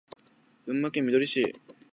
群馬県みどり市